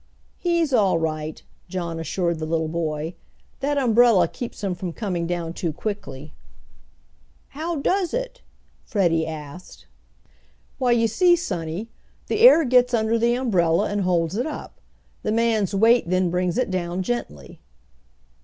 "He's all right," John assured the little boy. "That umbrella keeps him from coming down too quickly." "How does it?" Freddie asked. "Why, you see, sonny, the air gets under the umbrella and holds it up. The man's weight then brings it down gently."